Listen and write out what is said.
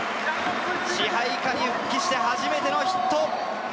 支配下に復帰して初めてのヒット！